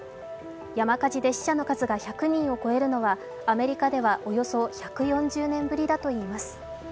山火事で死者の数が１００人を超えるのはアメリカではおよそ１４０年ぶりだといいます。